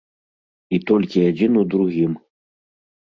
І толькі адзін у другім.